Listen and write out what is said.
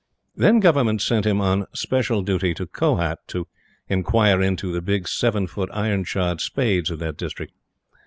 Then Government sent him on special duty to Kohat, to "inquire into" the big seven foot, iron shod spades of that District.